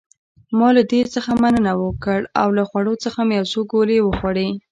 ما له دې څخه مننه وکړ او له خوړو مې یو څو ګولې وخوړې.